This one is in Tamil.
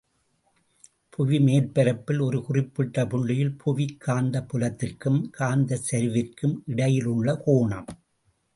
புவிமேற்பரப்பில் ஒரு குறிப்பிட்ட புள்ளியில் புவிக் காந்தப் புலத்திற்கும் காந்தச் சரிவிற்கும் இடையிலுள்ள கோணம்.